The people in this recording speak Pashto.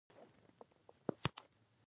تاسو کولی شئ چې کاغذ څو ځایه قات کړئ.